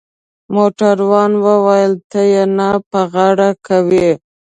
موټروان وویل: ته يې نه په غاړه کوې؟